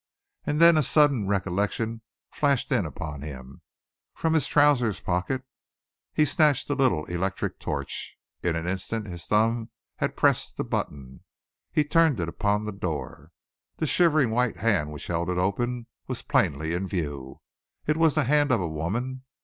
And then a sudden recollection flashed in upon him. From his trousers pocket he snatched a little electric torch. In an instant his thumb had pressed the button. He turned it upon the door. The shivering white hand which held it open was plainly in view. It was the hand of a woman!